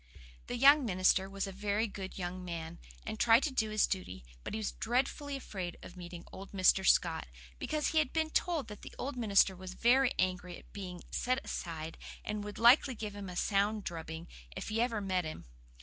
The young minister was a very good young man, and tried to do his duty; but he was dreadfully afraid of meeting old Mr. Scott, because he had been told that the old minister was very angry at being set aside, and would likely give him a sound drubbing, if he ever met him.